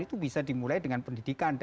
itu bisa dimulai dengan pendidikan